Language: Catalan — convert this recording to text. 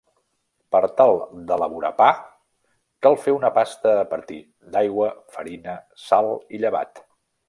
Per tal d'elaborar pa cal fer una pasta a partir d'aigua, farina, sal i llevat.